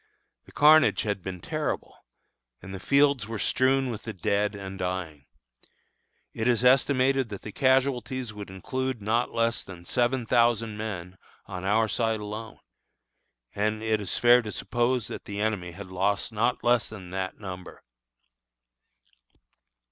The carnage had been terrible, and the fields were strewn with the dead and dying. It is estimated that the casualties would include not less than seven thousand men on our side alone; and it is fair to suppose that the enemy has lost not less than that number.